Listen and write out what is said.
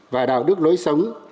và đạo đức lối sống